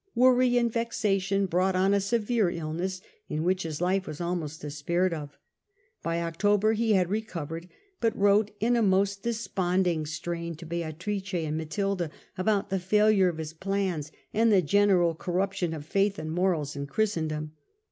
Worry and vexation brought on a severe illness, in which his life was almost despaired of. By October he had recovered, but Ynx)te in a most desponding strain to Beatrice and Matilda about the failure of his plans and the general corruption of faith and morals in Christendom.